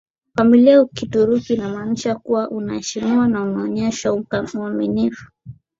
familia ya Kituruki inamaanisha kuwa unaheshimiwa na unaonyeshwa uaminifu